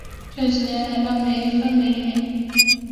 这几年来的每一分一秒